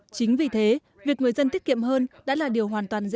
chính vì thế việc người dân tiết kiệm hơn đã là điều hoàn toàn dễ